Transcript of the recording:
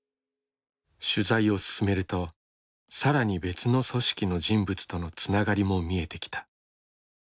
取材を進めると更に別の組織の人物とのつながりも見えてきた。